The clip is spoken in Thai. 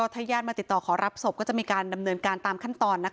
ถ้าญาติมาติดต่อขอรับศพก็จะมีการดำเนินการตามขั้นตอน